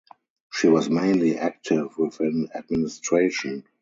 She was mainly active within administration.